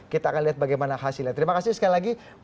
kita akan lihat bagaimana hasilnya terima kasih sekali lagi